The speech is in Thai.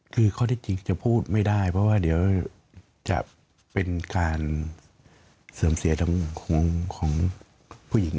คือข้อที่จริงจะพูดไม่ได้เพราะว่าเดี๋ยวจะเป็นการเสื่อมเสียของผู้หญิง